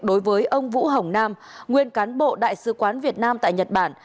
đối với ông vũ hồng nam nguyên cán bộ đại sứ quán việt nam tại nhật bản